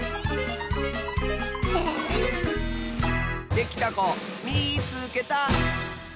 できたこみいつけた！